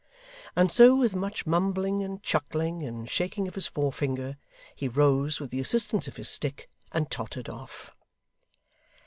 And so, with much mumbling and chuckling and shaking of his forefinger, he rose, with the assistance of his stick, and tottered off.